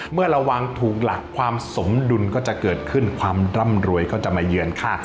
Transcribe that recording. เมื่อระวังถูกหลักความสมดุลก็จะเกิดขึ้นความร่ำรวยก็จะมาเยือนค่ะ